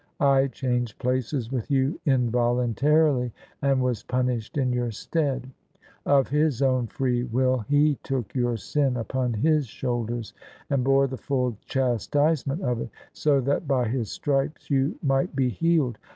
I changed places with you involuntarily and was pim ished in your stead : of His Own free will He took your sin upon His Shoidders and bore the full chastisement of it, so that by His stripes you might be healed.